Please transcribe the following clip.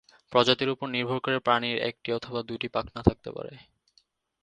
প্রজাতির উপর নির্ভর করে প্রাণির একটি অথবা দুইটি পাখনা থাকতে পারে।